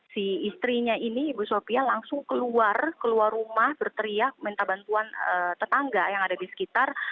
si istrinya ini ibu sofia langsung keluar keluar rumah berteriak minta bantuan tetangga yang ada di sekitar